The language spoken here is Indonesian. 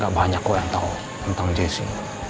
gak banyak kok yang tau tentang jessy